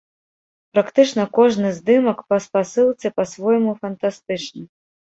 Практычна кожны здымак па спасылцы па-свойму фантастычны.